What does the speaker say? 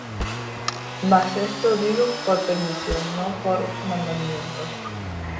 Mas esto digo por permisión, no por mandamiento.